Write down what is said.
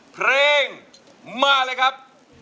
เพลงมาเลยครับ